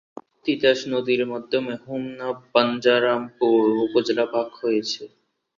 তিতাস নদীর মাধ্যমে হোমনা বাঞ্ছারামপুর উপজেলা ভাগ হয়েছে।